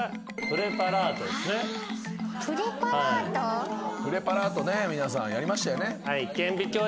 プレパラート皆さんやりましたよね。